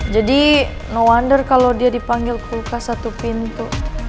jadi no wonder kalau dia dipanggil kulkas satu pintu